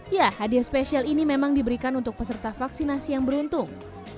ya hadiah spesial ini memang diberikan untuk peserta vaksinasi yang beruntung